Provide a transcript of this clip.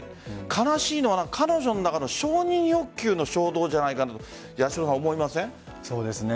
悲しいのは彼女の中の承認欲求の衝動じゃないかとそうですね。